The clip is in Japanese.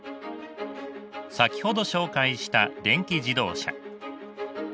先ほど紹介した電気自動車。